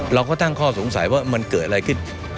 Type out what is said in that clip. เราก็ตั้งข้อสงสัยว่ามันเกิดอะไรขึ้น